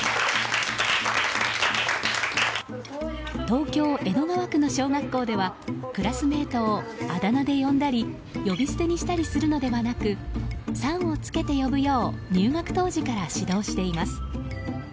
東京・江戸川区の小学校ではクラスメートをあだ名で呼んだり呼び捨てで呼ぶのではなくさんを付けて呼ぶよう入学当時から指導しています。